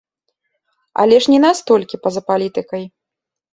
Але ж не настолькі па-за палітыкай.